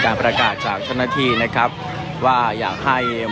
การประตูกรมทหารที่สิบเอ็ดเป็นภาพสดขนาดนี้นะครับ